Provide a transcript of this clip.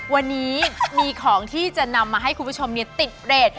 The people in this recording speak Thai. วันนี้มีของที่จะนำมาให้คุณผู้ชมติดเรท